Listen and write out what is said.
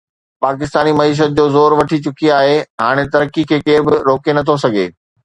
پاڪستاني معيشت جو زور وٺي چڪي آهي هاڻي ترقي کي ڪير به روڪي نٿو سگهي